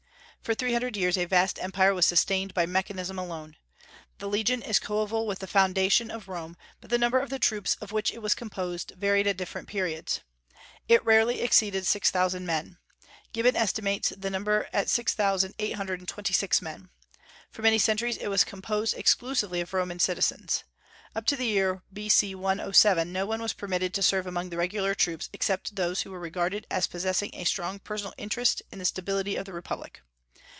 For three hundred years a vast empire was sustained by mechanism alone. The legion is coeval with the foundation of Rome, but the number of the troops of which it was composed varied at different periods. It rarely exceeded six thousand men; Gibbon estimates the number at six thousand eight hundred and twenty six men. For many centuries it was composed exclusively of Roman citizens. Up to the year B.C. 107, no one was permitted to serve among the regular troops except those who were regarded as possessing a strong personal interest in the stability of the republic.